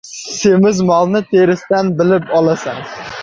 • Semiz molni terisidan bilib olasan.